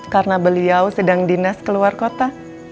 karena beliau sedang dinas keluar kota